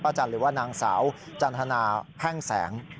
ป้าจันหรือนางสาวจันทนาแพ่งแสง